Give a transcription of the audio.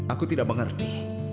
aku tidak mengerti